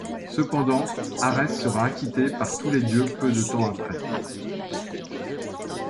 Cependant Arès sera acquitté par tous les dieux peu de temps après.